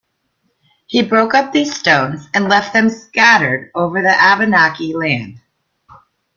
He broke up these stones and left them scattered over the Abenaki land.